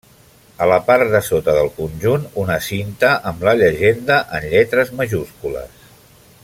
A la part de sota del conjunt, una cinta amb la llegenda en lletres majúscules.